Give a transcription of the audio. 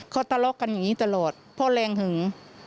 เขาทะเลาะกันอย่างนี้ตลอดเพราะแรงหึง